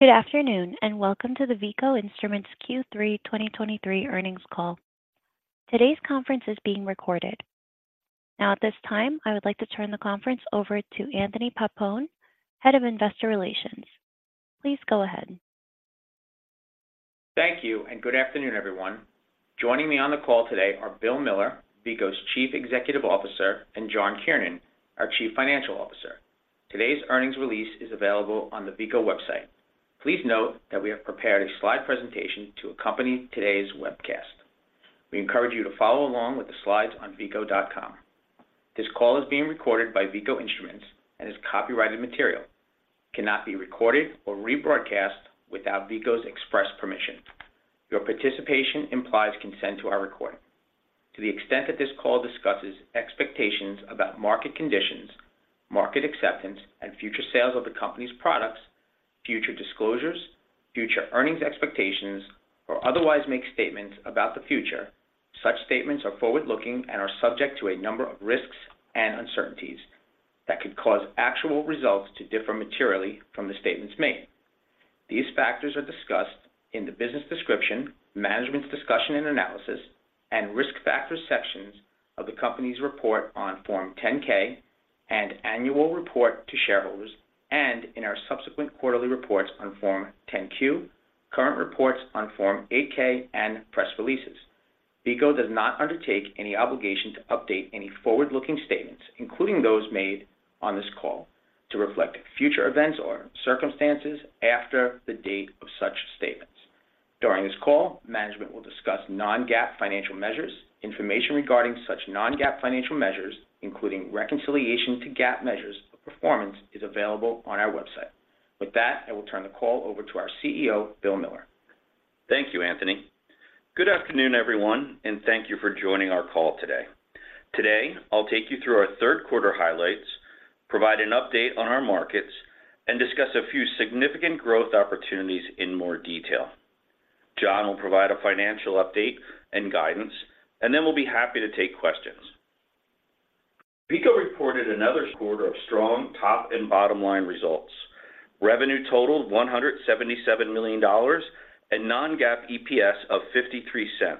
Good afternoon, and welcome to the Veeco Instruments Q3 2023 Earnings Call. Today's conference is being recorded. Now, at this time, I would like to turn the conference over to Anthony Pappone, Head of Investor Relations. Please go ahead. Thank you, and good afternoon, everyone. Joining me on the call today are Bill Miller, Veeco's Chief Executive Officer, and John Kiernan, our Chief Financial Officer. Today's earnings release is available on the Veeco website. Please note that we have prepared a slide presentation to accompany today's webcast. We encourage you to follow along with the slides on veeco.com. This call is being recorded by Veeco Instruments and is copyrighted material. It cannot be recorded or rebroadcast without Veeco's express permission. Your participation implies consent to our recording. To the extent that this call discusses expectations about market conditions, market acceptance, and future sales of the company's products, future disclosures, future earnings expectations, or otherwise make statements about the future, such statements are forward-looking and are subject to a number of risks and uncertainties that could cause actual results to differ materially from the statements made. These factors are discussed in the Business Description, Management's Discussion and Analysis, and Risk Factors sections of the company's report on Form 10-K and annual report to shareholders, and in our subsequent quarterly reports on Form 10-Q, current reports on Form 8-K, and press releases. Veeco does not undertake any obligation to update any forward-looking statements, including those made on this call, to reflect future events or circumstances after the date of such statements. During this call, management will discuss non-GAAP financial measures. Information regarding such non-GAAP financial measures, including reconciliation to GAAP measures of performance, is available on our website. With that, I will turn the call over to our CEO, Bill Miller. Thank you, Anthony. Good afternoon, everyone, and thank you for joining our call today. Today, I'll take you through our third quarter highlights, provide an update on our markets, and discuss a few significant growth opportunities in more detail. John will provide a financial update and guidance, and then we'll be happy to take questions. Veeco reported another quarter of strong top and bottom-line results. Revenue totaled $177 million, and non-GAAP EPS of $0.53,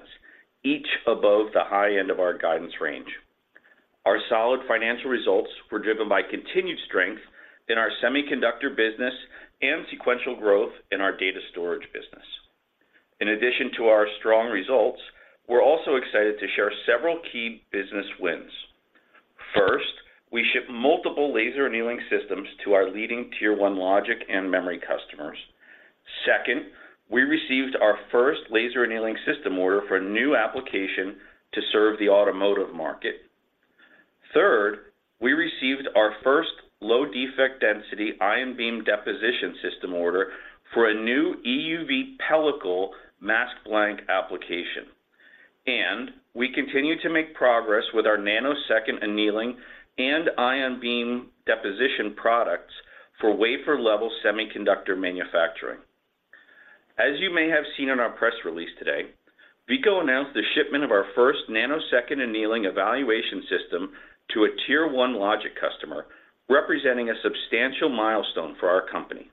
each above the high end of our guidance range. Our solid financial results were driven by continued strength in our semiconductor business and sequential growth in our data storage business. In addition to our strong results, we're also excited to share several key business wins. First, we shipped multiple laser annealing systems to our leading Tier 1 logic and memory customers. Second, we received our first laser annealing system order for a new application to serve the automotive market. Third, we received our first low defect density ion beam deposition system order for a new EUV pellicle mask blank application. And we continue to make progress with our nanosecond annealing and ion beam deposition products for wafer-level semiconductor manufacturing. As you may have seen in our press release today, Veeco announced the shipment of our first nanosecond annealing evaluation system to a Tier 1 logic customer, representing a substantial milestone for our company.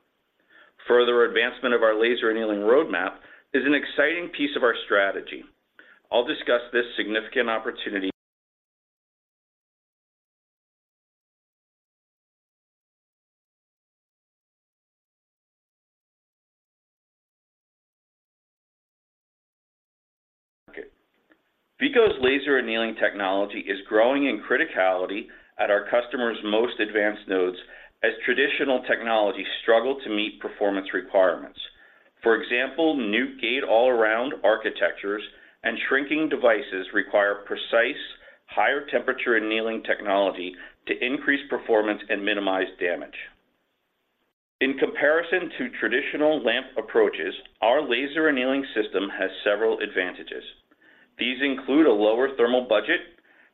Further advancement of our laser annealing roadmap is an exciting piece of our strategy. I'll discuss this significant opportunity. Veeco's laser annealing technology is growing in criticality at our customers' most advanced nodes as traditional technologies struggle to meet performance requirements. For example, new Gate-All-Around architectures and shrinking devices require precise, higher temperature annealing technology to increase performance and minimize damage. In comparison to traditional lamp approaches, our laser annealing system has several advantages. These include a lower thermal budget,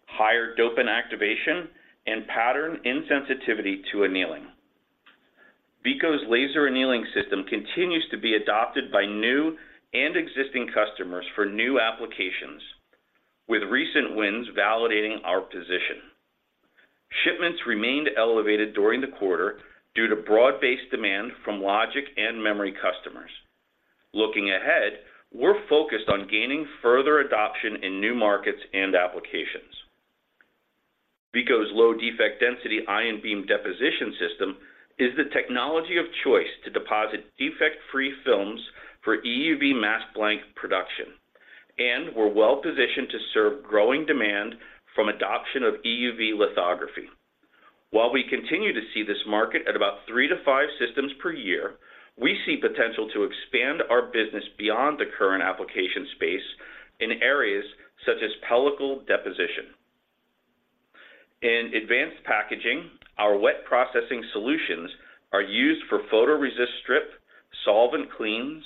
higher dopant activation, and pattern insensitivity to annealing. Veeco's laser annealing system continues to be adopted by new and existing customers for new applications, with recent wins validating our position. Shipments remained elevated during the quarter due to broad-based demand from logic and memory customers. Looking ahead, we're focused on gaining further adoption in new markets and applications. Veeco's low defect density ion beam deposition system is the technology of choice to deposit defect-free films for EUV mask blank production, and we're well positioned to serve growing demand from adoption of EUV lithography. While we continue to see this market at about 3-5 systems per year, we see potential to expand our business beyond the current application space in areas such as pellicle deposition. In advanced packaging, our wet processing solutions are used for photoresist strip, solvent cleans,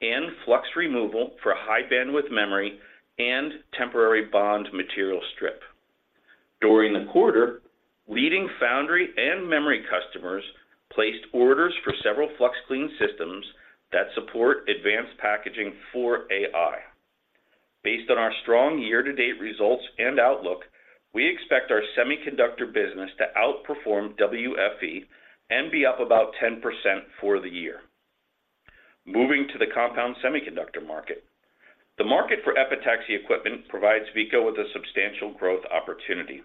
and flux removal for high bandwidth memory and temporary bond material strip. During the quarter, leading foundry and memory customers placed orders for several FluxClean systems that support advanced packaging for AI. Based on our strong year-to-date results and outlook, we expect our semiconductor business to outperform WFE and be up about 10% for the year. Moving to the compound semiconductor market. The market for epitaxy equipment provides Veeco with a substantial growth opportunity.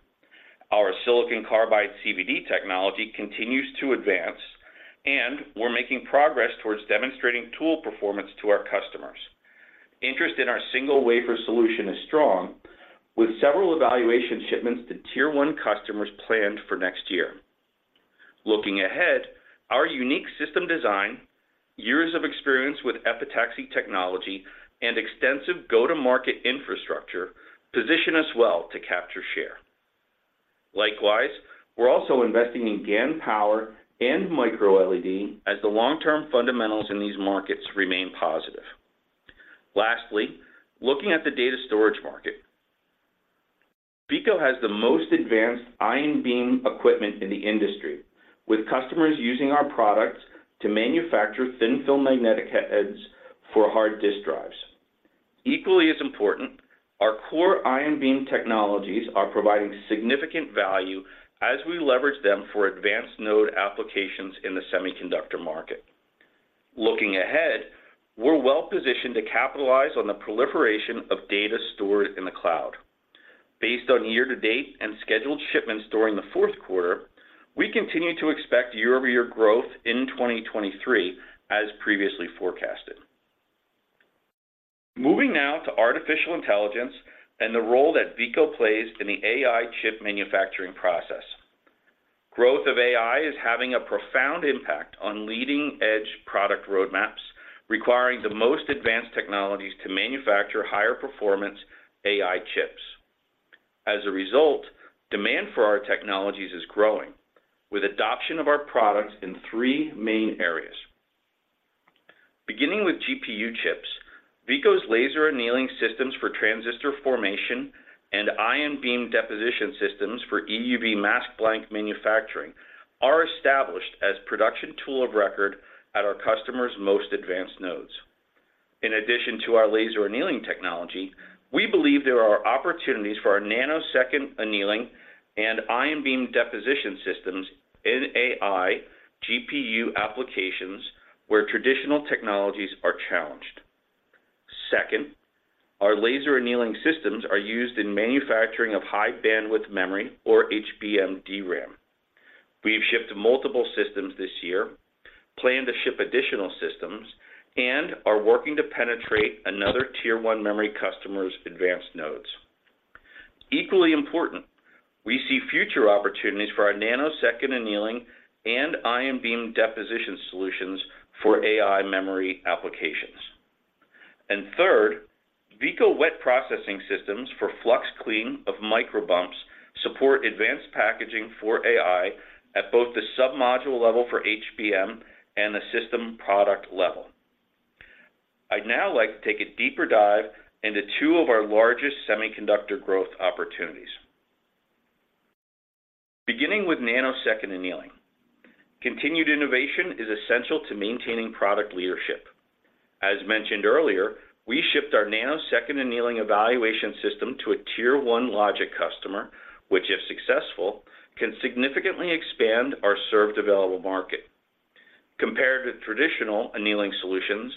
Our silicon carbide CVD technology continues to advance, and we're making progress towards demonstrating tool performance to our customers. Interest in our single wafer solution is strong, with several evaluation shipments to Tier 1 customers planned for next year. Looking ahead, our unique system design, years of experience with epitaxy technology, and extensive go-to-market infrastructure position us well to capture share. Likewise, we're also investing in GaN power and Micro LED, as the long-term fundamentals in these markets remain positive. Lastly, looking at the data storage market, Veeco has the most advanced ion beam equipment in the industry, with customers using our products to manufacture thin film magnetic heads for hard disk drives. Equally as important, our core ion beam technologies are providing significant value as we leverage them for advanced node applications in the semiconductor market. Looking ahead, we're well positioned to capitalize on the proliferation of data stored in the cloud. Based on year to date and scheduled shipments during the fourth quarter, we continue to expect year-over-year growth in 2023, as previously forecasted. Moving now to artificial intelligence and the role that Veeco plays in the AI chip manufacturing process. Growth of AI is having a profound impact on leading-edge product roadmaps, requiring the most advanced technologies to manufacture higher performance AI chips. As a result, demand for our technologies is growing, with adoption of our products in three main areas. Beginning with GPU chips, Veeco's laser annealing systems for transistor formation and ion beam deposition systems for EUV mask blank manufacturing, are established as production tool of record at our customers' most advanced nodes. In addition to our laser annealing technology, we believe there are opportunities for our nanosecond annealing and ion beam deposition systems in AI GPU applications, where traditional technologies are challenged. Second, our Laser Annealing Systems are used in manufacturing of high bandwidth memory or HBM DRAM. We have shipped multiple systems this year, plan to ship additional systems, and are working to penetrate another Tier 1 memory customer's advanced nodes. Equally important, we see future opportunities for our Nanosecond Annealing and ion beam deposition solutions for AI memory applications. And third, Veeco Wet Processing Systems for FluxClean of microbumps support advanced packaging for AI at both the submodule level for HBM and the system product level. I'd now like to take a deeper dive into two of our largest semiconductor growth opportunities. Beginning with Nanosecond Annealing. Continued innovation is essential to maintaining product leadership. As mentioned earlier, we shipped our Nanosecond Annealing evaluation system to a Tier 1 logic customer, which, if successful, can significantly expand our served available market. Compared with traditional annealing solutions,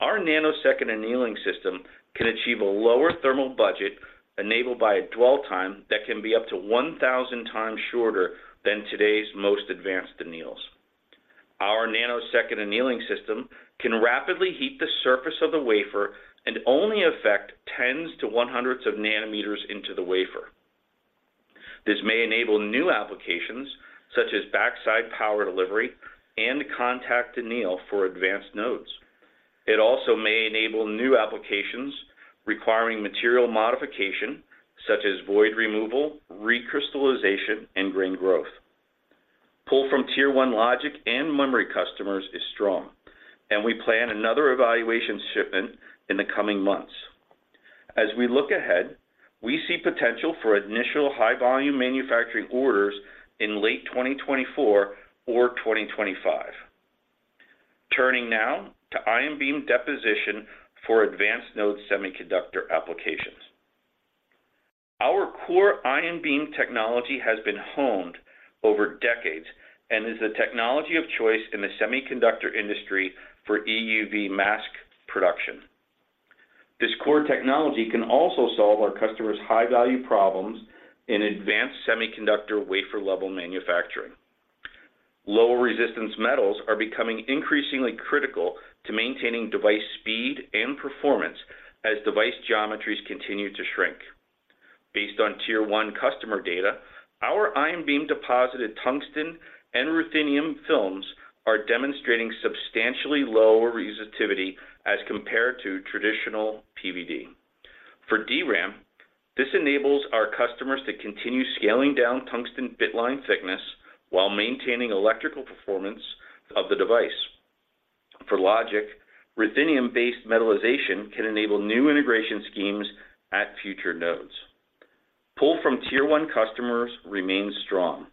our nanosecond annealing system can achieve a lower thermal budget enabled by a dwell time that can be up to 1,000x shorter than today's most advanced anneals. Our nanosecond annealing system can rapidly heat the surface of the wafer and only affect tens to hundreds of nanometers into the wafer. This may enable new applications such as Backside Power Delivery and contact anneal for advanced nodes. It also may enable new applications requiring material modification, such as void removal, recrystallization, and grain growth. Pull from Tier 1 Logic and Memory customers is strong, and we plan another evaluation shipment in the coming months. As we look ahead, we see potential for initial high volume manufacturing orders in late 2024 or 2025. Turning now to ion beam deposition for advanced node semiconductor applications. Our core ion beam technology has been honed over decades and is the technology of choice in the semiconductor industry for EUV mask production. This core technology can also solve our customers' high-value problems in advanced semiconductor wafer level manufacturing. Lower resistance metals are becoming increasingly critical to maintaining device speed and performance as device geometries continue to shrink. Based on Tier 1 customer data, our ion beam deposited tungsten and ruthenium films are demonstrating substantially lower resistivity as compared to traditional PVD. For DRAM, this enables our customers to continue scaling down tungsten bitline thickness while maintaining electrical performance of the device. For logic, ruthenium-based metallization can enable new integration schemes at future nodes. Pull from Tier 1 customers remains strong,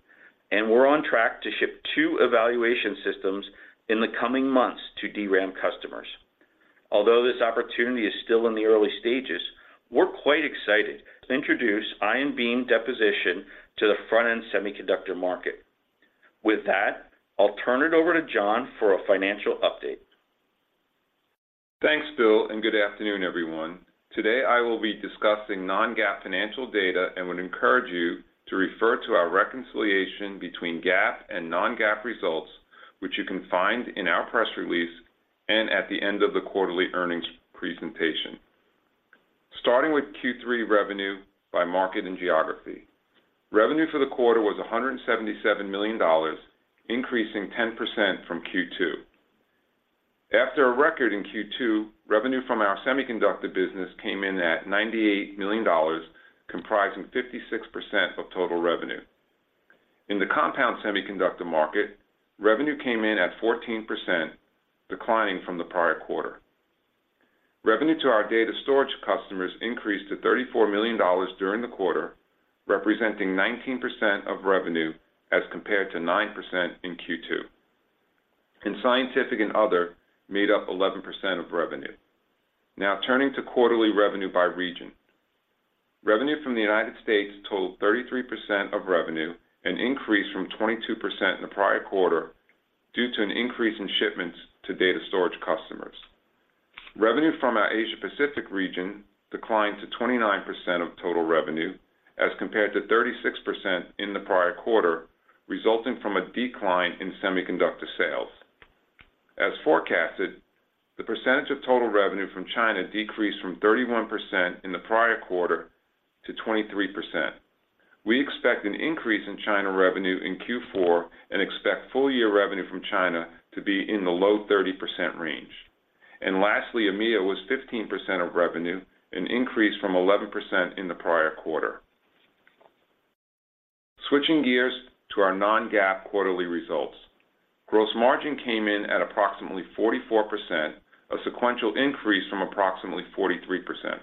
and we're on track to ship 2 evaluation systems in the coming months to DRAM customers. Although this opportunity is still in the early stages, we're quite excited to introduce ion beam deposition to the front-end semiconductor market. With that, I'll turn it over to John for a financial update. Thanks, Bill, and good afternoon, everyone. Today, I will be discussing non-GAAP financial data and would encourage you to refer to our reconciliation between GAAP and non-GAAP results, which you can find in our press release and at the end of the quarterly earnings presentation. Starting with Q3 revenue by market and geography. Revenue for the quarter was $177 million, increasing 10% from Q2. After a record in Q2, revenue from our semiconductor business came in at $98 million, comprising 56% of total revenue. In the compound semiconductor market, revenue came in at 14%, declining from the prior quarter. Revenue to our data storage customers increased to $34 million during the quarter, representing 19% of revenue, as compared to 9% in Q2. In scientific and other, made up 11% of revenue. Now turning to quarterly revenue by region. Revenue from the United States totaled 33% of revenue, an increase from 22% in the prior quarter, due to an increase in shipments to data storage customers. Revenue from our Asia Pacific region declined to 29% of total revenue, as compared to 36% in the prior quarter, resulting from a decline in semiconductor sales. As forecasted, the percentage of total revenue from China decreased from 31% in the prior quarter to 23%. We expect an increase in China revenue in Q4, and expect full year revenue from China to be in the low 30% range. Lastly, EMEA was 15% of revenue, an increase from 11% in the prior quarter. Switching gears to our non-GAAP quarterly results. Gross margin came in at approximately 44%, a sequential increase from approximately 43%.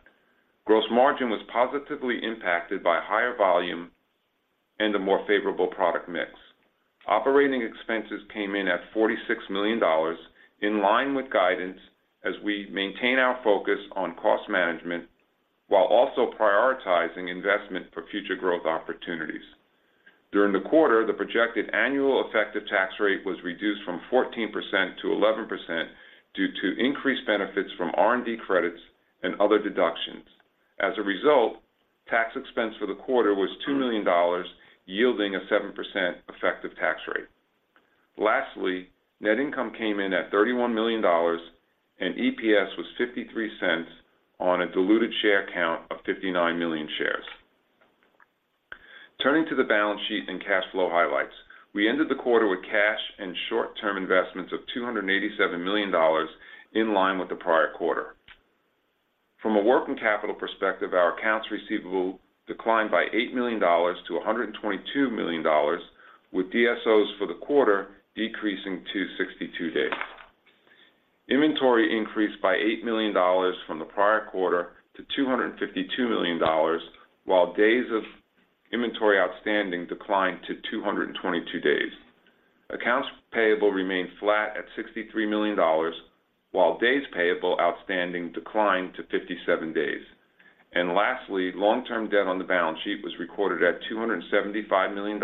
Gross margin was positively impacted by higher volume and a more favorable product mix. Operating expenses came in at $46 million, in line with guidance as we maintain our focus on cost management, while also prioritizing investment for future growth opportunities. During the quarter, the projected annual effective tax rate was reduced from 14% to 11% due to increased benefits from R&D credits and other deductions. As a result, tax expense for the quarter was $2 million, yielding a 7% effective tax rate. Lastly, net income came in at $31 million, and EPS was $0.53 on a diluted share count of 59 million shares. Turning to the balance sheet and cash flow highlights, we ended the quarter with cash and short-term investments of $287 million in line with the prior quarter. From a working capital perspective, our accounts receivable declined by $8-$122 million, with DSOs for the quarter decreasing to 62 days. Inventory increased by $8 million from the prior quarter to $252 million, while days of inventory outstanding declined to 222 days. Accounts payable remained flat at $63 million, while days payable outstanding declined to 57 days. Lastly, long-term debt on the balance sheet was recorded at $275 million,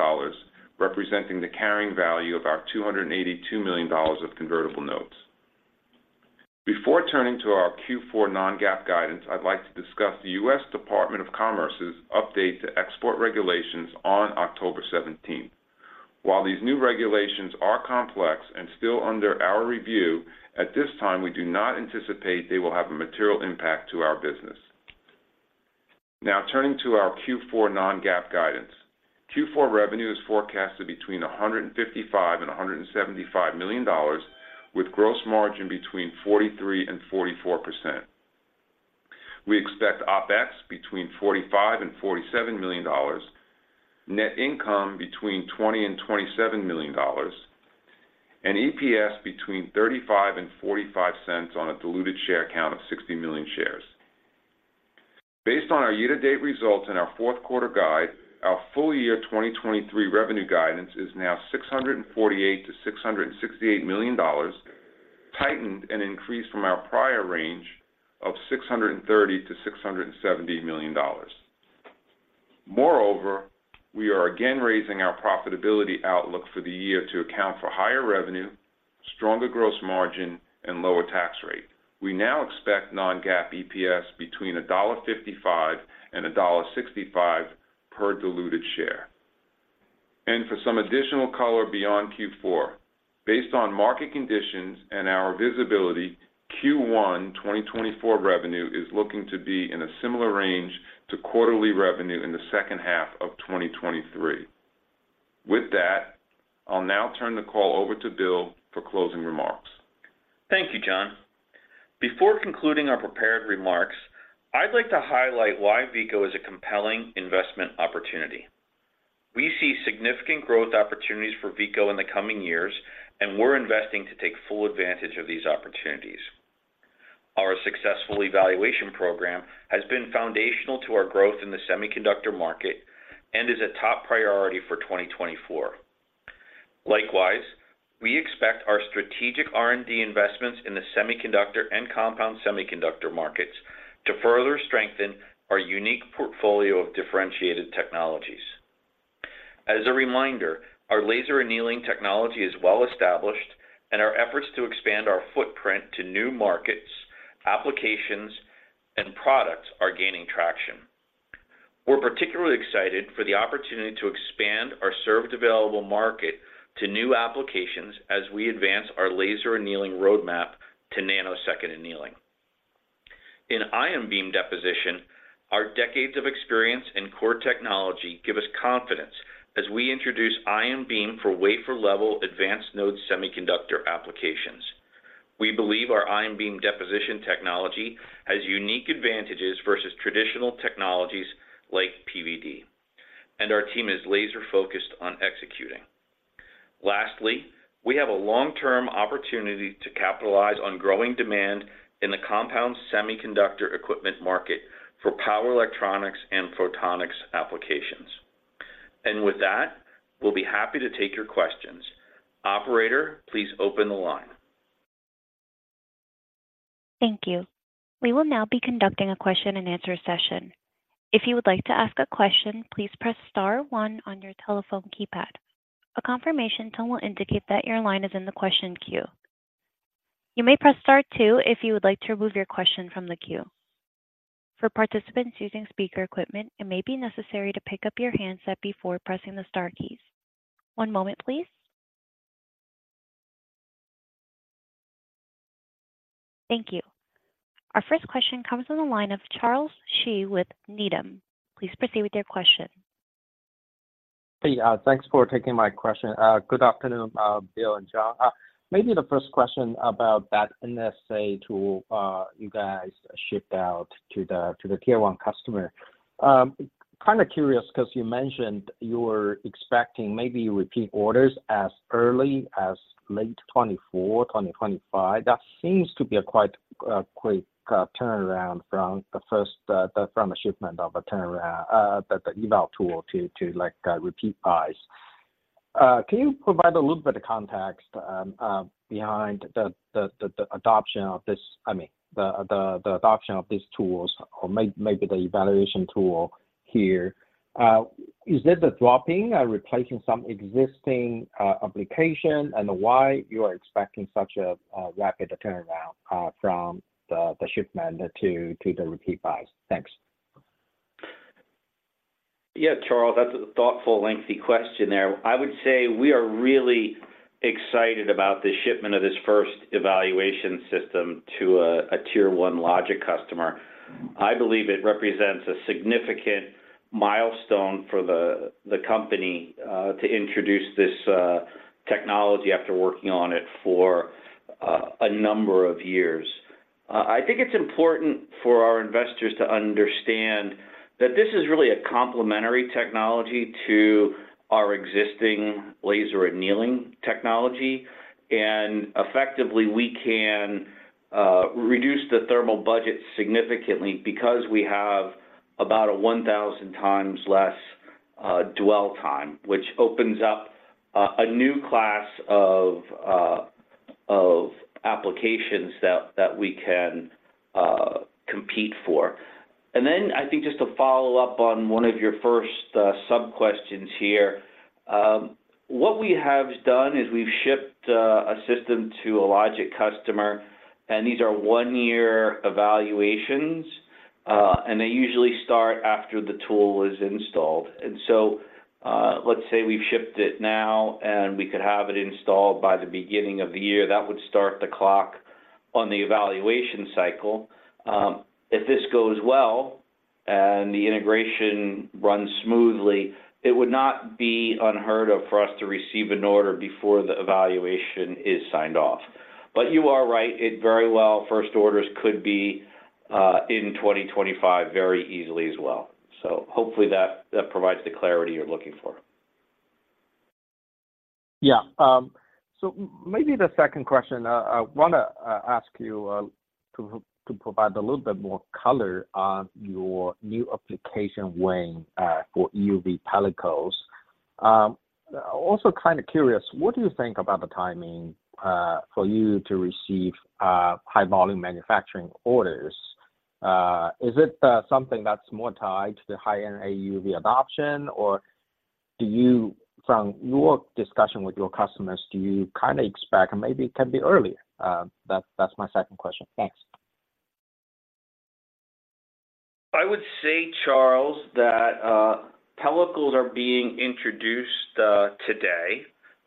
representing the carrying value of our $282 million of convertible notes. Before turning to our Q4 non-GAAP guidance, I'd like to discuss the U.S. Department of Commerce's update to export regulations on October seventeenth. While these new regulations are complex and still under our review, at this time, we do not anticipate they will have a material impact to our business. Now, turning to our Q4 non-GAAP guidance. Q4 revenue is forecasted between $155 million and $175 million, with gross margin between 43% and 44%. We expect OpEx between $45 million and $47 million, net income between $20 million and $27 million, and EPS between $0.35 and $0.45 on a diluted share count of 60 million shares. Based on our year-to-date results and our fourth quarter guide, our full year 2023 revenue guidance is now $648-$668 million, tightened and increased from our prior range of $630-$670 million. Moreover, we are again raising our profitability outlook for the year to account for higher revenue, stronger gross margin, and lower tax rate. We now expect non-GAAP EPS between $1.55 and $1.65 per diluted share. For some additional color beyond Q4, based on market conditions and our visibility, Q1 2024 revenue is looking to be in a similar range to quarterly revenue in the second half of 2023. With that, I'll now turn the call over to Bill for closing remarks. Thank you, John. Before concluding our prepared remarks, I'd like to highlight why Veeco is a compelling investment opportunity. We see significant growth opportunities for Veeco in the coming years, and we're investing to take full advantage of these opportunities. Our successful evaluation program has been foundational to our growth in the semiconductor market and is a top priority for 2024. Likewise, we expect our strategic R&D investments in the semiconductor and compound semiconductor markets to further strengthen our unique portfolio of differentiated technologies. As a reminder, our laser annealing technology is well-established, and our efforts to expand our footprint to new markets, applications, and products are gaining traction. We're particularly excited for the opportunity to expand our served available market to new applications as we advance our laser annealing roadmap to nanosecond annealing. In ion beam deposition, our decades of experience in core technology give us confidence as we introduce ion beam for wafer-level advanced node semiconductor applications. We believe our ion beam deposition technology has unique advantages versus traditional technologies like PVD, and our team is laser-focused on executing. Lastly, we have a long-term opportunity to capitalize on growing demand in the compound semiconductor equipment market for power electronics and photonics applications. With that, we'll be happy to take your questions. Operator, please open the line. Thank you. We will now be conducting a question-and-answer session. If you would like to ask a question, please press star one on your telephone keypad. A confirmation tone will indicate that your line is in the question queue. You may press star two if you would like to remove your question from the queue. For participants using speaker equipment, it may be necessary to pick up your handset before pressing the star keys. One moment, please. Thank you. Our first question comes on the line of Charles Shi with Needham. Please proceed with your question. Hey, thanks for taking my question. Good afternoon, Bill and John. Maybe the first question about that NSA tool you guys shipped out to the Tier 1 customer. Kind of curious, because you mentioned you were expecting maybe repeat orders as early as late 2024, 2025. That seems to be a quite quick turnaround from the first shipment of the eval tool to like repeat buys. Can you provide a little bit of context behind the adoption of this, I mean, the adoption of these tools or maybe the evaluation tool here? Is it the dropping, replacing some existing application, and why you are expecting such a rapid turnaround from the shipment to the repeat buys? Thanks. Yeah, Charles, that's a thoughtful, lengthy question there. I would say we are really excited about the shipment of this first evaluation system to a Tier 1 Logic customer. I believe it represents a significant milestone for the company to introduce this technology after working on it for a number of years. I think it's important for our investors to understand that this is really a complementary technology to our existing laser annealing technology, and effectively, we can reduce the thermal budget significantly because we have about 1,000 times less dwell time, which opens up a new class of applications that we can compete for. And then I think just to follow up on one of your first sub-questions here, what we have done is we've shipped a system to a logic customer, and these are one-year evaluations, and they usually start after the tool is installed. And so, let's say we've shipped it now, and we could have it installed by the beginning of the year. That would start the clock on the evaluation cycle. If this goes well and the integration runs smoothly, it would not be unheard of for us to receive an order before the evaluation is signed off. But you are right, it very well, first orders could be in 2025 very easily as well. So hopefully that, that provides the clarity you're looking for. Yeah. So maybe the second question, I wanna ask you to provide a little bit more color on your new application win for EUV pellicles. Also kind of curious, what do you think about the timing for you to receive high volume manufacturing orders? Is it something that's more tied to the high-end EUV adoption, or do you, from your discussion with your customers, do you kind of expect or maybe it can be earlier? That's my second question. Thanks. I would say, Charles, that pellicles are being introduced today,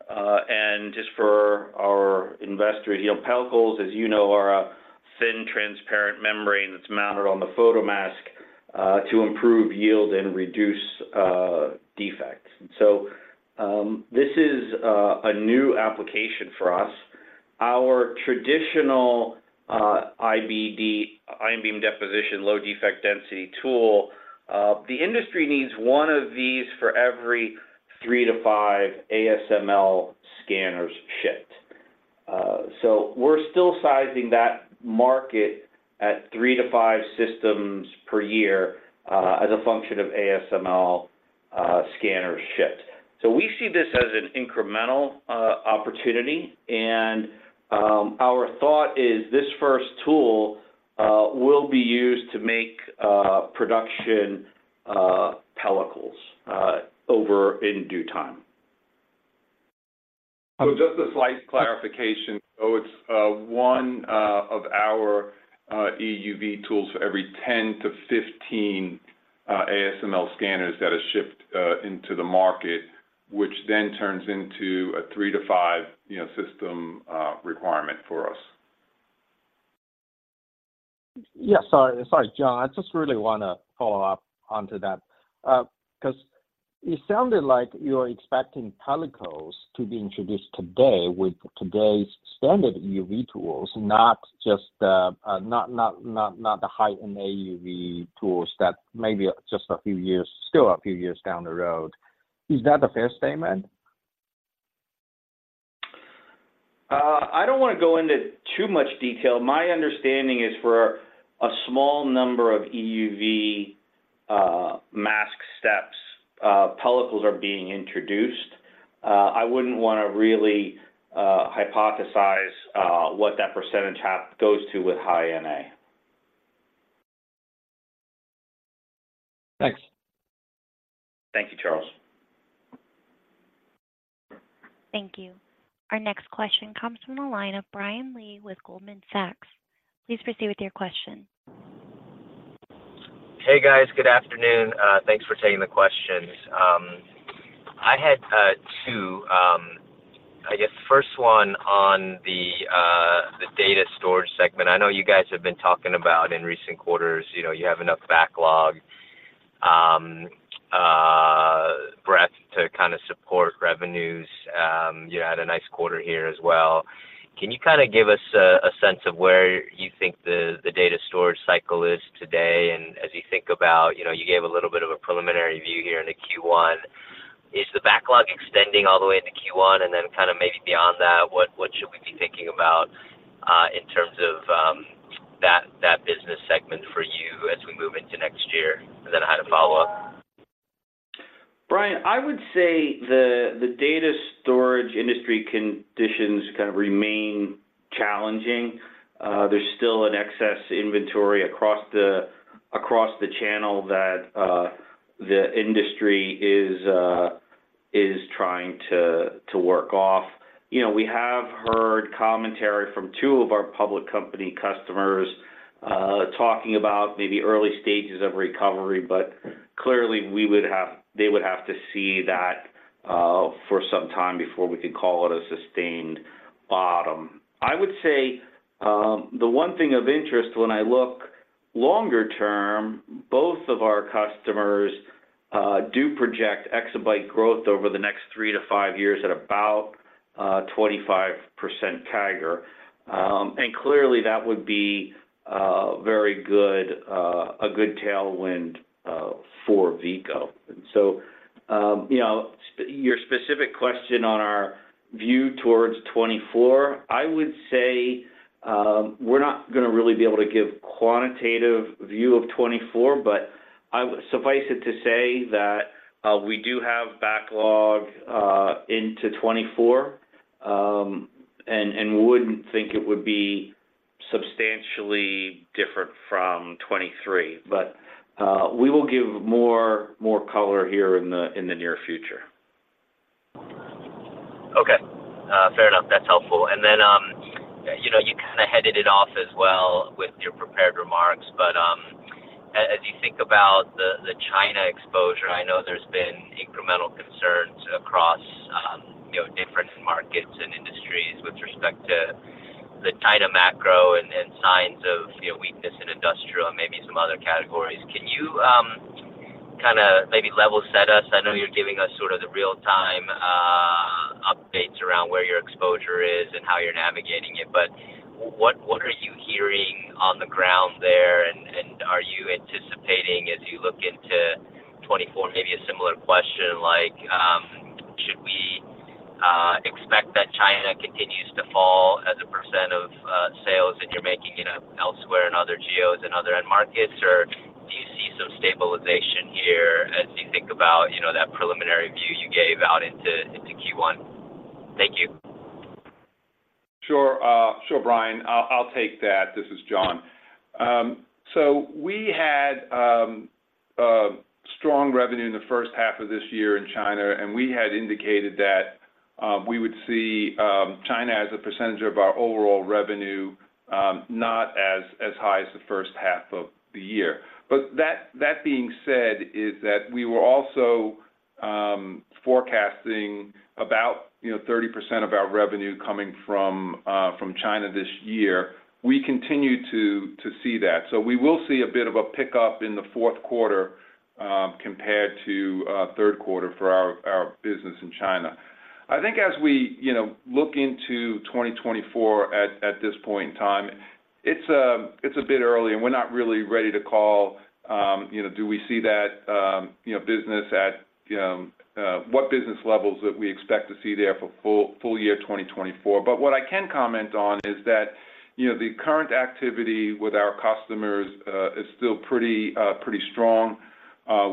and just for our investors, you know, pellicles, as you know, are a thin, transparent membrane that's mounted on the photomask to improve yield and reduce defects. So, this is a new application for us. Our traditional IBD, ion beam deposition, low defect density tool. The industry needs one of these for every 3-5 ASML scanners shipped. So we're still sizing that market at 3-5 systems per year, as a function of ASML scanners shipped. So we see this as an incremental opportunity, and our thought is this first tool will be used to make production pellicles over in due time. So just a slight clarification, so it's one of our EUV tools for every 10-15 ASML scanners that are shipped into the market, which then turns into a 3-5, you know, system requirement for us. Yeah. Sorry. Sorry, John. I just really want to follow up onto that, 'cause it sounded like you're expecting pellicles to be introduced today with today's standard EUV tools, not just the High-NA EUV tools that maybe just a few years, still a few years down the road. Is that a fair statement? I don't want to go into too much detail. My understanding is for a small number of EUV mask steps, pellicles are being introduced. I wouldn't want to really hypothesize what that percentage goes to with high-NA. Thanks. Thank you, Charles. Thank you. Our next question comes from the line of Brian Lee with Goldman Sachs. Please proceed with your question. Hey, guys. Good afternoon. Thanks for taking the questions. I had two. I guess the first one on the data storage segment. I know you guys have been talking about in recent quarters, you know, you have enough backlog, breadth to kind of support revenues. You had a nice quarter here as well. Can you kind of give us a sense of where you think the data storage cycle is today? And as you think about, you know, you gave a little bit of a preliminary view here in the Q1. Is the backlog extending all the way into Q1? And then kind of maybe beyond that, what should we be thinking about in terms of that business segment for you as we move into next year? And then I had a follow-up. Brian, I would say the data storage industry conditions kind of remain challenging. There's still an excess inventory across the channel that the industry is trying to work off. You know, we have heard commentary from two of our public company customers talking about maybe early stages of recovery, but clearly, we would have-- they would have to see that for some time before we could call it a sustained bottom. I would say the one thing of interest when I look longer term, both of our customers do project exabyte growth over the next 3-5 years at about 25% CAGR. And clearly, that would be very good, a good tailwind for Veeco. And so, you know, your specific question on our view towards 2024, I would say, we're not going to really be able to give quantitative view of 2024, but suffice it to say that, we do have backlog into 2024, and wouldn't think it would be substantially different from 2023. But, we will give more color here in the near future. Okay. Fair enough. That's helpful. And then, you know, you kind of headed it off as well with your prepared remarks, but, as you think about the, the China exposure, I know there's been incremental concerns across, you know, different markets and industries with respect to the China macro and, and signs of, you know, weakness in industrial and maybe some other categories. Can you, kind of maybe level set us? I know you're giving us sort of the real-time, updates around where your exposure is and how you're navigating it, but what, what are you hearing on the ground there? Are you anticipating as you look into 2024, maybe a similar question, like, should we expect that China continues to fall as a % of sales that you're making, you know, elsewhere in other geos and other end markets? Or do you see some stabilization here as you think about, you know, that preliminary view you gave out into Q1? Thank you. Sure, sure, Brian. I'll take that. This is John. So we had strong revenue in the first half of this year in China, and we had indicated that we would see China as a percentage of our overall revenue not as high as the first half of the year. But that being said, we were also forecasting about, you know, 30% of our revenue coming from China this year. We continue to see that. So we will see a bit of a pickup in the fourth quarter compared to third quarter for our business in China. I think as we, you know, look into 2024 at this point in time, it's a bit early, and we're not really ready to call, you know, do we see that, you know, business at what business levels that we expect to see there for full year 2024? But what I can comment on is that, you know, the current activity with our customers is still pretty strong.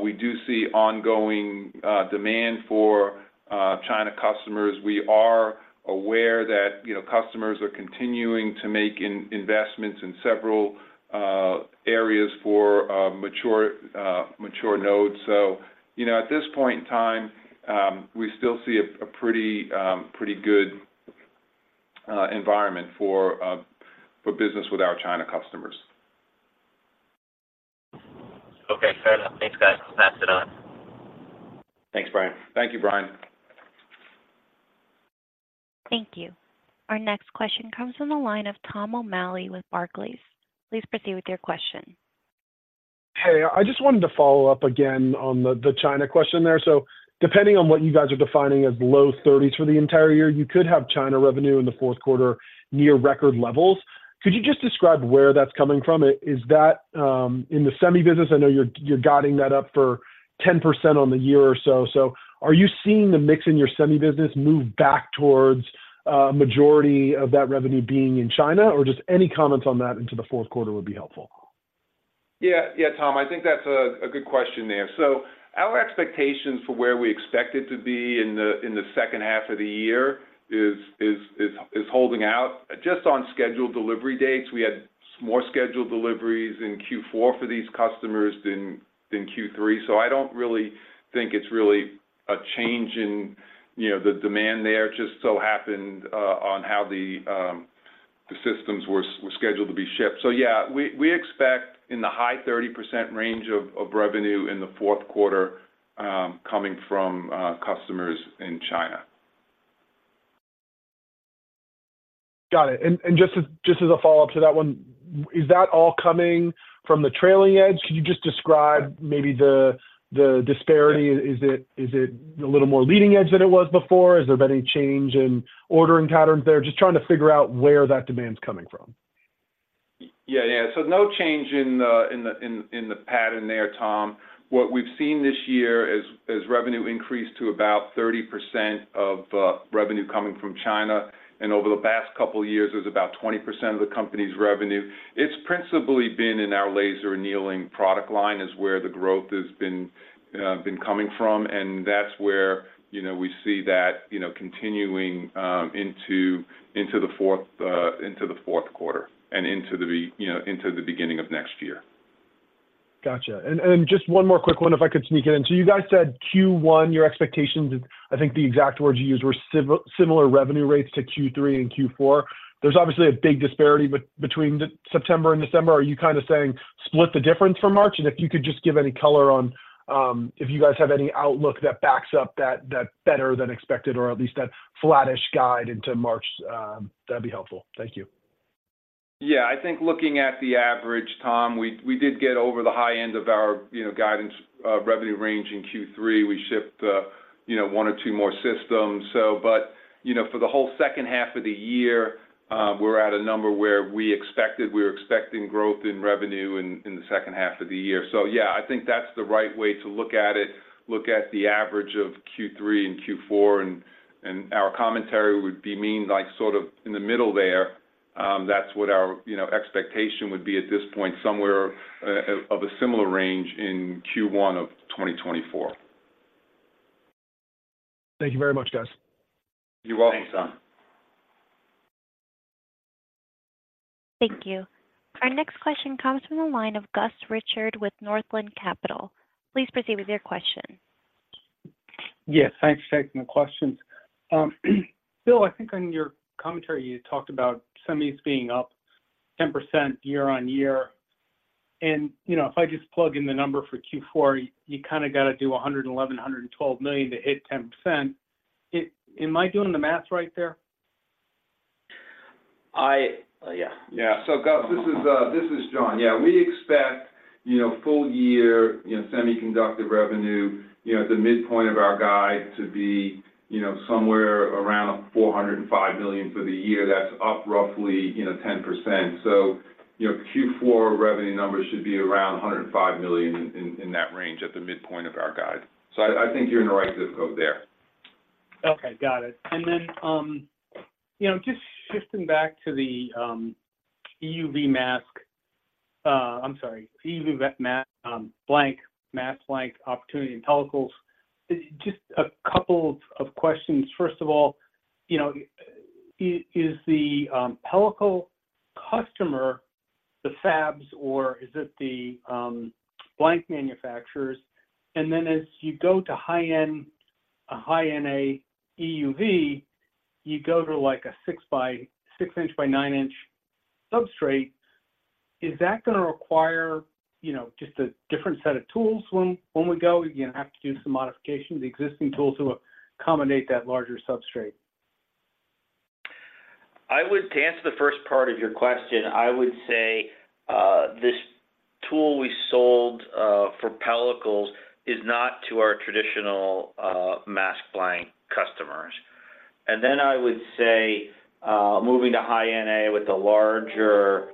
We do see ongoing demand for China customers. We are aware that, you know, customers are continuing to make investments in several areas for mature nodes. So, you know, at this point in time, we still see a pretty good environment for business with our China customers. Okay, fair enough. Thanks, guys. Pass it on. Thanks, Brian. Thank you, Brian. Thank you. Our next question comes from the line of Tom O'Malley with Barclays. Please proceed with your question. Hey, I just wanted to follow up again on the, the China question there. So depending on what you guys are defining as low thirties for the entire year, you could have China revenue in the fourth quarter near record levels. Could you just describe where that's coming from? Is that in the semi business? I know you're, you're guiding that up for 10% on the year or so. So are you seeing the mix in your semi business move back towards majority of that revenue being in China? Or just any comments on that into the fourth quarter would be helpful. Yeah. Yeah, Tom, I think that's a good question there. So our expectations for where we expect it to be in the second half of the year is holding out. Just on scheduled delivery dates, we had more scheduled deliveries in Q4 for these customers than Q3, so I don't really think it's really a change in, you know, the demand there. It just so happened on how the systems were scheduled to be shipped. So yeah, we expect in the high 30% range of revenue in the fourth quarter coming from customers in China. Got it. And just as a follow-up to that one, is that all coming from the trailing edge? Could you just describe maybe the disparity? Is it a little more leading edge than it was before? Is there been any change in ordering patterns there? Just trying to figure out where that demand's coming from. Yeah, yeah. So no change in the pattern there, Tom. What we've seen this year is, as revenue increased to about 30% of revenue coming from China, and over the past couple of years, it was about 20% of the company's revenue, it's principally been in our laser annealing product line, is where the growth has been, been coming from. And that's where, you know, we see that, you know, continuing into the fourth quarter and into the beginning of next year. Gotcha. And just one more quick one, if I could sneak it in. So you guys said Q1, your expectations, I think the exact words you used were similar revenue rates to Q3 and Q4. There's obviously a big disparity between September and December. Are you kind of saying split the difference for March? And if you could just give any color on if you guys have any outlook that backs up that better-than-expected or at least that flattish guide into March, that'd be helpful. Thank you. Yeah. I think looking at the average, Tom, we did get over the high end of our, you know, guidance revenue range in Q3. We shipped, you know, one or two more systems. So, you know, for the whole second half of the year, we're at a number where we expected we were expecting growth in revenue in the second half of the year. So yeah, I think that's the right way to look at it, look at the average of Q3 and Q4, and our commentary would be, I mean, like, sort of in the middle there. That's what our, you know, expectation would be at this point, somewhere of a similar range in Q1 of 2024. Thank you very much, guys. You're welcome. Thank you. Our next question comes from the line of Gus Richard with Northland Capital. Please proceed with your question. Yes, thanks for taking the questions. Bill, I think on your commentary, you talked about semis being up 10% year-on-year, and you know, if I just plug in the number for Q4, you kind of got to do $111-$112 million to hit 10%. Am I doing the math right there? Yeah. So, Gus, this is John. Yeah, we expect, you know, full year, you know, semiconductor revenue, you know, at the midpoint of our guide to be, you know, somewhere around $405 million for the year. That's up roughly, you know, 10%. So, you know, Q4 revenue numbers should be around $105 million in that range at the midpoint of our guide. So I, I think you're in the right zip code there. Okay, got it. And then, you know, just shifting back to the EUV mask blank opportunity in pellicles. Just a couple of questions. First of all, you know, is the pellicle customer the fabs, or is it the blank manufacturers? And then as you go to high-end high-NA EUV, you go to, like, a 6 inch by 9 inch substrate. Is that gonna require, you know, just a different set of tools when we go? You're gonna have to do some modifications, existing tools to accommodate that larger substrate. I would, to answer the first part of your question, I would say, this tool we sold, for pellicles is not to our traditional, mask blank customers. And then I would say, moving to high-NA with the larger,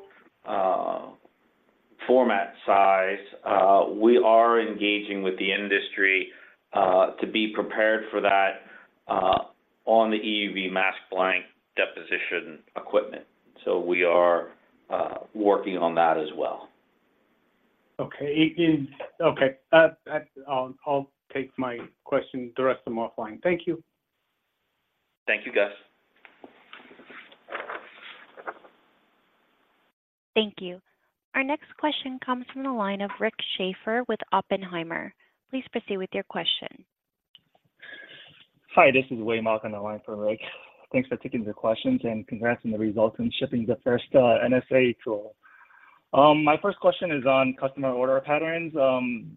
format size, we are engaging with the industry, to be prepared for that, on the EUV mask blank deposition equipment. So we are, working on that as well. Okay. It is okay, that's, I'll, I'll take my question, the rest of them offline. Thank you. Thank you, Gus. Thank you. Our next question comes from the line of Rick Schaefer with Oppenheimer. Please proceed with your question. Hi, this is Wei Mok on the line for Rick. Thanks for taking the questions, and congrats on the results in shipping the first NSA tool. My first question is on customer order patterns.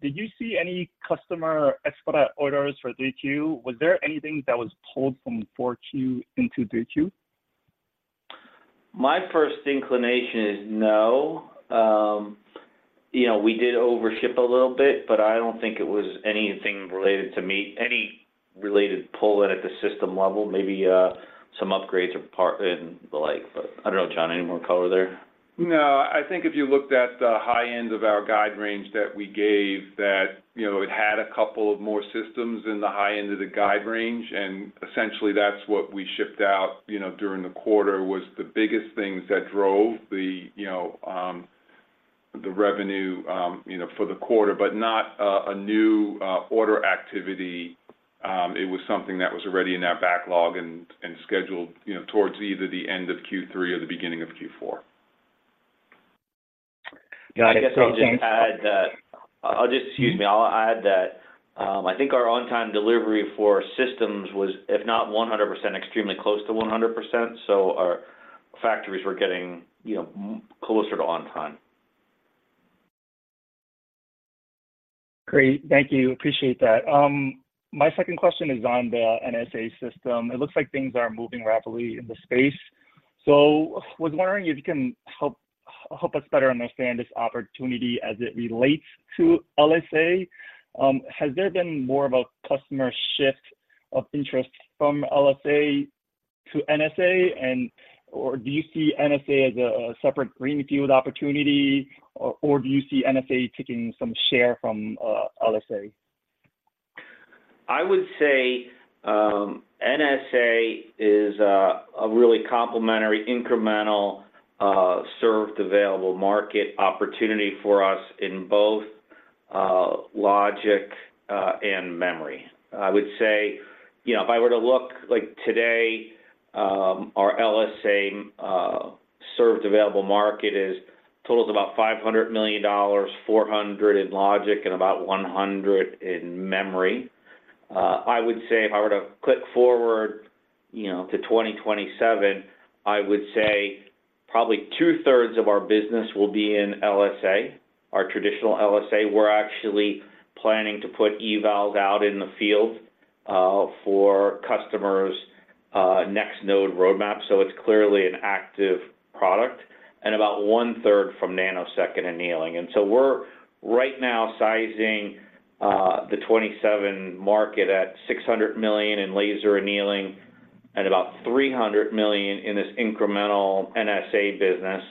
Did you see any customer expedite orders for Q3? Was there anything that was pulled from Q4 into Q3? My first inclination is no. You know, we did overship a little bit, but I don't think it was anything related to me, any related pull in at the system level. Maybe some upgrades or part and the like, but I don't know. John, any more color there? No. I think if you looked at the high end of our guide range that we gave, that, you know, it had a couple of more systems in the high end of the guide range, and essentially that's what we shipped out, you know, during the quarter, was the biggest things that drove the, you know, the revenue, you know, for the quarter, but not a new order activity. It was something that was already in our backlog and scheduled, you know, towards either the end of Q3 or the beginning of Q4. Got it. I guess I'll just add that. Excuse me. I'll add that, I think our on-time delivery for systems was, if not 100%, extremely close to 100%, so our factories were getting, you know, closer to on time. Great. Thank you. Appreciate that. My second question is on the NSA system. It looks like things are moving rapidly in the space. So I was wondering if you can help us better understand this opportunity as it relates to LSA. Has there been more of a customer shift of interest from LSA to NSA, and. Or do you see NSA as a separate greenfield opportunity, or do you see NSA taking some share from LSA? I would say, NSA is a really complementary, incremental, served available market opportunity for us in both, logic, and memory. I would say, you know, if I were to look, like, today, our LSA, served available market totals about $500 million, $400 million in logic and about $100 million in memory. I would say if I were to click forward, you know, to 2027, I would say probably two-thirds of our business will be in LSA, our traditional LSA. We're actually planning to put evals out in the field, for customers', next node roadmap, so it's clearly an active product, and about one-third from nanosecond annealing. We're right now sizing the 2027 market at $600 million in laser annealing and about $300 million in this incremental NSA business,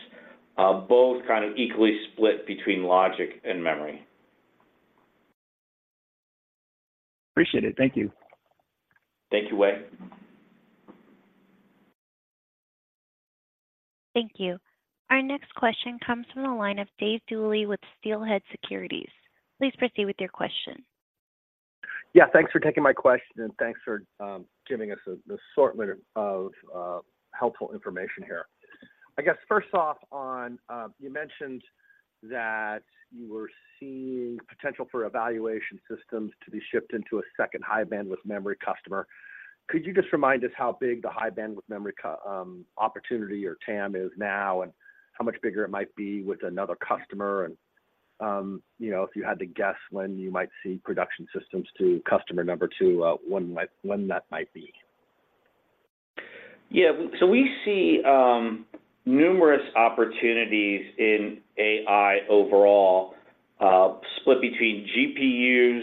both kind of equally split between logic and memory. Appreciate it. Thank you. Thank you, Wei. Thank you. Our next question comes from the line of Dave Duley with Steelhead Securities. Please proceed with your question. Yeah, thanks for taking my question, and thanks for giving us the assortment of helpful information here. I guess first off, on you mentioned that you were seeing potential for evaluation systems to be shipped into a second high-bandwidth memory customer. Could you just remind us how big the high-bandwidth memory customer opportunity or TAM is now, and how much bigger it might be with another customer? And you know, if you had to guess when you might see production systems to customer number two, when that might be? Yeah. So we see numerous opportunities in AI overall, split between GPUs,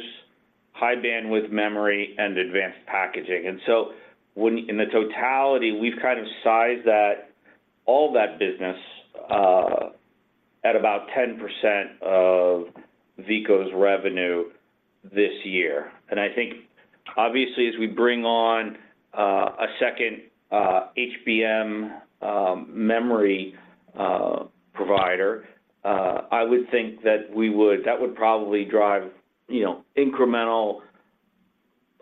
high-bandwidth memory, and advanced packaging. And so in the totality, we've kind of sized that, all that business, at about 10% of Veeco's revenue this year. And I think obviously, as we bring on a second HBM memory provider, I would think that would probably drive, you know, incremental.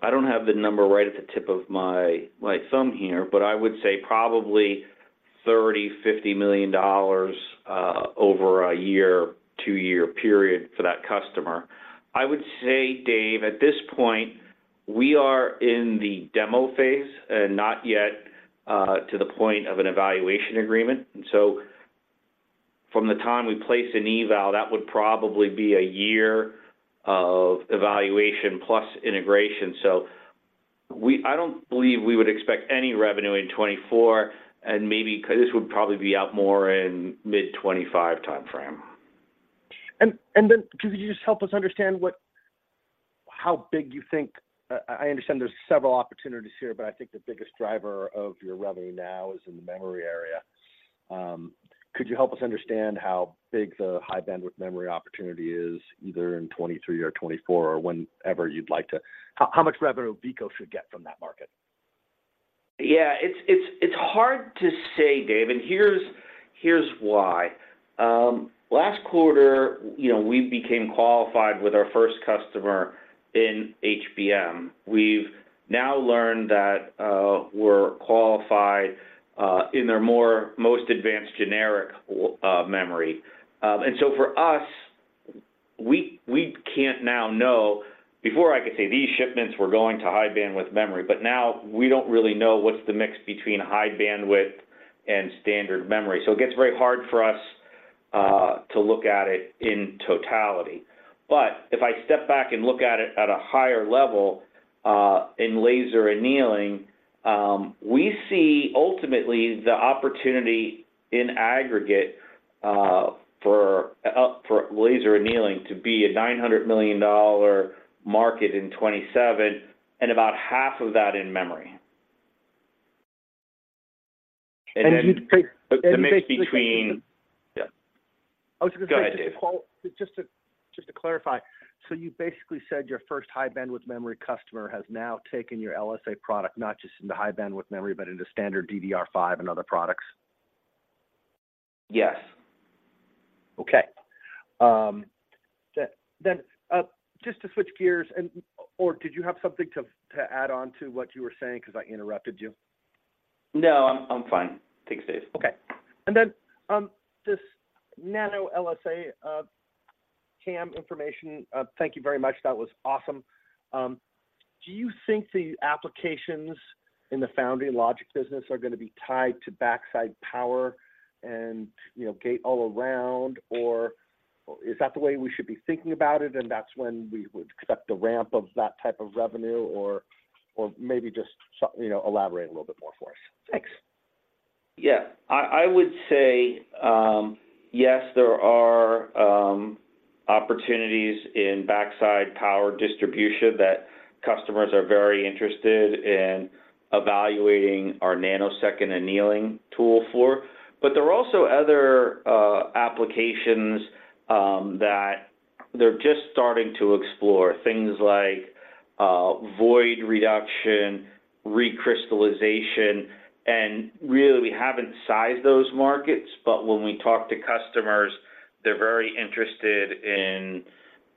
I don't have the number right at the tip of my, my thumb here, but I would say probably $30-$50 million over a year, two-year period for that customer. I would say, Dave, at this point, we are in the demo phase and not yet to the point of an evaluation agreement. And so from the time we place an eval, that would probably be a year of evaluation plus integration. So, I don't believe we would expect any revenue in 2024, and maybe this would probably be out more in the mid-2025 timeframe. and then could you just help us understand what, how big you think, I understand there's several opportunities here, but I think the biggest driver of your revenue now is in the memory area. Could you help us understand how big the high-bandwidth memory opportunity is, either in 2023 or 2024, or whenever you'd like to, how much revenue Veeco should get from that market? Yeah, it's hard to say, Dave, and here's why. Last quarter, you know, we became qualified with our first customer in HBM. We've now learned that we're qualified in their most advanced generic memory. And so for us, we can't now know. Before, I could say, "These shipments were going to high-bandwidth memory," but now we don't really know what's the mix between high bandwidth and standard memory. So it gets very hard for us to look at it in totality. But if I step back and look at it at a higher level, in laser annealing, we see ultimately the opportunity in aggregate for laser annealing to be a $900 million market in 2027, and about half of that in memory. And then you, The mix between, And basically, Yeah. I was just gonna say- Go ahead, Dave. Just to clarify, so you basically said your first High-Bandwidth Memory customer has now taken your LSA product, not just into High-Bandwidth Memory, but into standard DDR5 and other products? Yes. Okay. Then, just to switch gears and or did you have something to add on to what you were saying, 'cause I interrupted you? No, I'm fine. Thanks, Dave. Okay. And then, this Nano, LSA, CAM information, thank you very much. That was awesome. Do you think the applications in the foundry logic business are gonna be tied to backside power and, you know, gate all around? Or is that the way we should be thinking about it, and that's when we would expect the ramp of that type of revenue, or, or maybe just you know, elaborate a little bit more for us. Thanks. Yeah. I would say, yes, there are opportunities in backside power distribution that customers are very interested in evaluating our nanosecond annealing tool for. But there are also other applications that they're just starting to explore, things like void reduction, recrystallization, and really, we haven't sized those markets, but when we talk to customers, they're very interested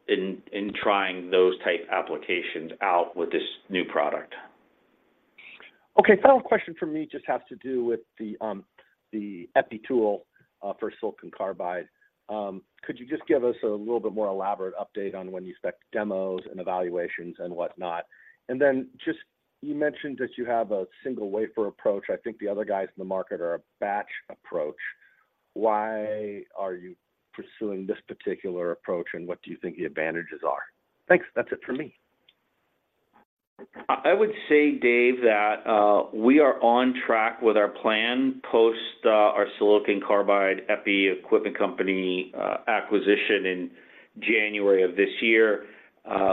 in trying those type applications out with this new product. Okay, final question from me just has to do with the EPI tool for silicon carbide. Could you just give us a little bit more elaborate update on when you expect demos and evaluations and whatnot? And then just you mentioned that you have a single wafer approach. I think the other guys in the market are a batch approach. Why are you pursuing this particular approach, and what do you think the advantages are? Thanks. That's it for me. I would say, Dave, that we are on track with our plan post our silicon carbide epi equipment company acquisition in January of this year.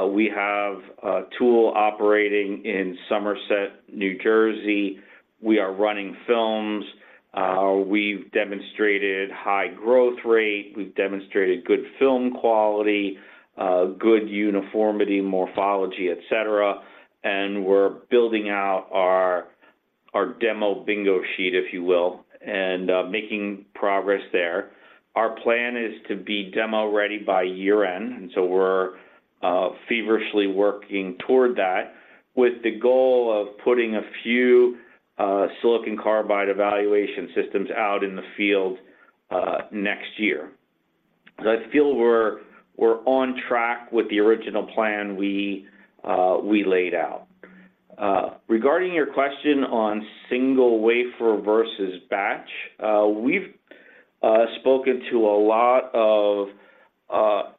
We have a tool operating in Somerset, New Jersey. We are running films. We've demonstrated high growth rate, we've demonstrated good film quality, good uniformity, morphology, et cetera. And we're building out our demo bingo sheet, if you will, and making progress there. Our plan is to be demo-ready by year-end, and so we're feverishly working toward that, with the goal of putting a few silicon carbide evaluation systems out in the field next year. So I feel we're on track with the original plan we laid out. Regarding your question on single wafer versus batch, we've spoken to a lot of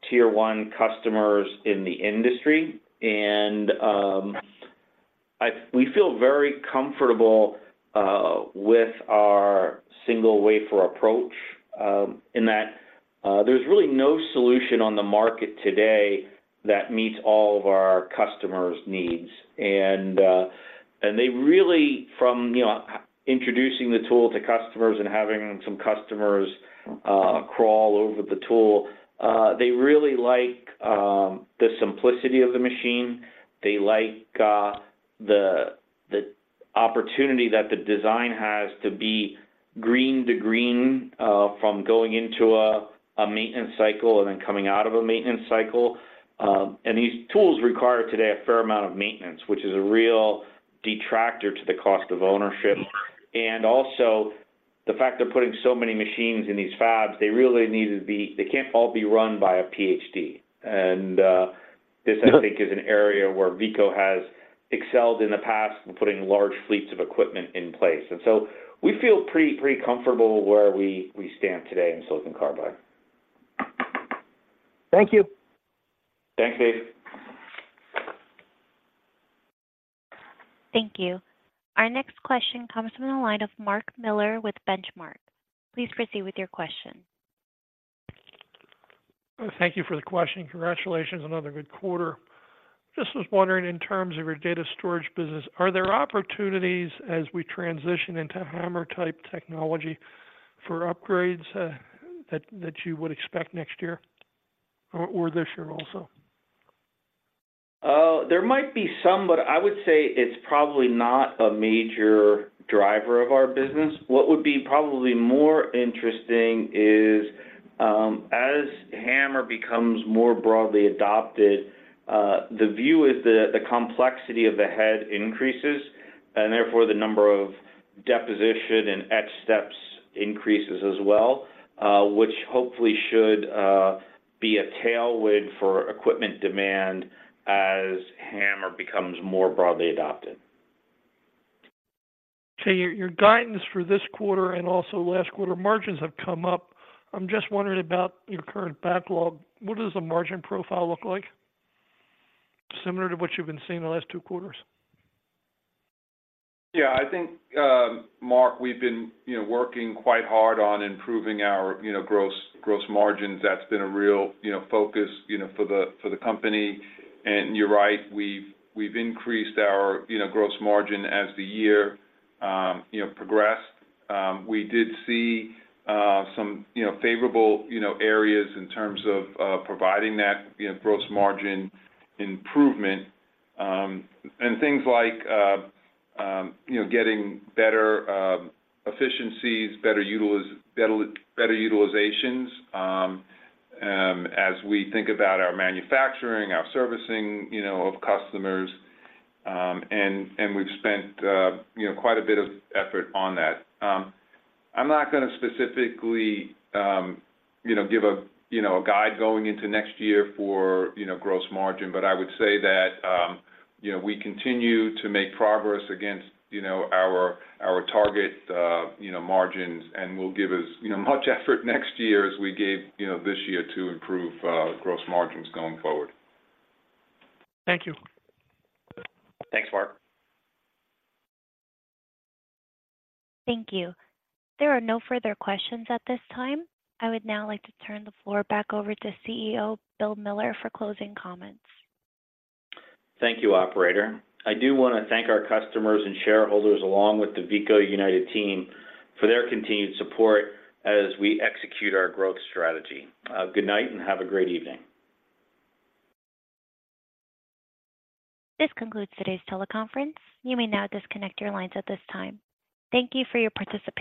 Tier 1 customers in the industry, and we feel very comfortable with our single wafer approach, in that there's really no solution on the market today that meets all of our customers' needs. And they really, from you know, introducing the tool to customers and having some customers crawl over the tool, they really like the simplicity of the machine. They like the opportunity that the design has to be green to green from going into a maintenance cycle and then coming out of a maintenance cycle. And these tools require today a fair amount of maintenance, which is a real detractor to the cost of ownership. Also, the fact they're putting so many machines in these fabs, they really need to be - they can't all be run by a PhD. And, this, I think, is an area where Veeco has excelled in the past in putting large fleets of equipment in place. And so we feel pretty comfortable where we stand today in silicon carbide. Thank you. Thanks, Dave. Thank you. Our next question comes from the line of Mark Miller with Benchmark. Please proceed with your question. Thank you for the question, and congratulations, another good quarter. Just was wondering, in terms of your data storage business, are there opportunities as we transition into HAMR-type technology for upgrades, that you would expect next year or this year also? There might be some, but I would say it's probably not a major driver of our business. What would be probably more interesting is, as HAMR becomes more broadly adopted, the view is the complexity of the head increases, and therefore, the number of deposition and etch steps increases as well, which hopefully should be a tailwind for equipment demand as HAMR becomes more broadly adopted. So your guidance for this quarter and also last quarter, margins have come up. I'm just wondering about your current backlog. What does the margin profile look like? Similar to what you've been seeing the last two quarters. Yeah, I think, Mark, we've been, you know, working quite hard on improving our, you know, gross, gross margins. That's been a real, you know, focus, you know, for the, for the company. And you're right, we've, we've increased our, you know, gross margin as the year, you know, progressed. We did see some, you know, favorable, you know, areas in terms of providing that, you know, gross margin improvement. And things like, you know, getting better efficiencies, better utilizations, as we think about our manufacturing, our servicing, you know, of customers, and we've spent, you know, quite a bit of effort on that. I'm not gonna specifically, you know, give a, you know, a guide going into next year for, you know, gross margin, but I would say that, you know, we continue to make progress against, you know, our, our target, you know, margins, and we'll give as, you know, much effort next year as we gave, you know, this year to improve, gross margins going forward. Thank you. Thanks, Mark. Thank you. There are no further questions at this time. I would now like to turn the floor back over to CEO, Bill Miller, for closing comments. Thank you, operator. I do want to thank our customers and shareholders, along with the Veeco United team, for their continued support as we execute our growth strategy. Good night, and have a great evening. This concludes today's teleconference. You may now disconnect your lines at this time. Thank you for your participation.